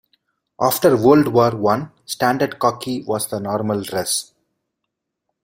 After World War One standard khaki was the normal dress.